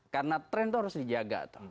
karena trend itu harus dijaga